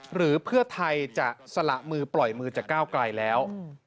หรือเพื่อไทยจะสละมือปล่อยมือจากก้าวไกลแล้ว